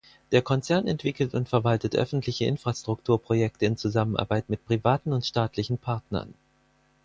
Der Konzern entwickelt und verwaltet öffentliche Infrastrukturprojekte in Zusammenarbeit mit privaten und staatlichen Partnern.